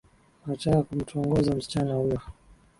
Nataka kumtongoza msichana huyo